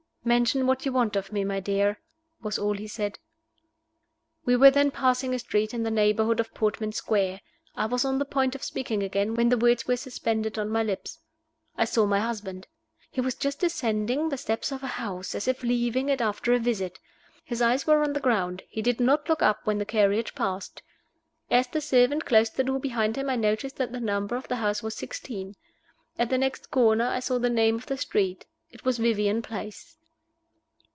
"Mention what you want of me, my dear," was all he said. We were then passing a street in the neighborhood of Portman Square. I was on the point of speaking again, when the words were suspended on my lips. I saw my husband. He was just descending the steps of a house as if leaving it after a visit. His eyes were on the ground: he did not look up when the carriage passed. As the servant closed the door behind him, I noticed that the number of the house was Sixteen. At the next corner I saw the name of the street. It was Vivian Place.